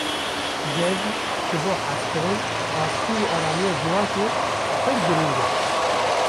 Cejin ji bo hezkirin, aştî û aramiya civakê pir girîng e.